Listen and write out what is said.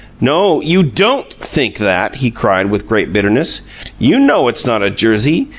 "No, you DON'T think that!" he cried, with great bitterness. "You know it's not a jersey!